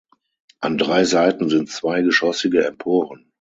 An drei Seiten sind zweigeschossige Emporen.